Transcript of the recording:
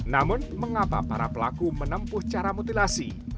namun mengapa para pelaku menempuh cara mutilasi